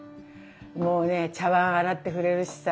もうね茶わん洗ってくれるしさ。